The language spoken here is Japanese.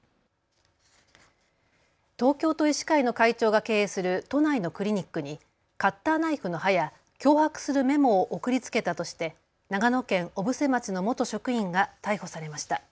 東京都医師会の会長が経営する都内のクリニックにカッターナイフの刃や脅迫するメモを送りつけたとして長野県小布施町の元職員が逮捕されました。